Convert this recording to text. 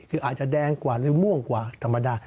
คืออาจจะแดงกว่าหรือม่วงกว่าธรรมดา